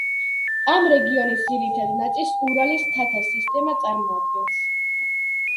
ამ რეგიონის ძირითად ნაწილს ურალის მთათა სისტემა წარმოადგენს.